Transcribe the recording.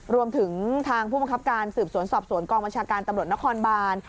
รวมถึงทางผู้บังคับการสืบสวนสอบสวนกองบัญชาการตำรวจนครบาน